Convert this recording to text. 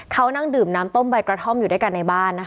เขานั่งดื่มน้ำต้มใบกระท่อมอยู่ด้วยกันในบ้านนะคะ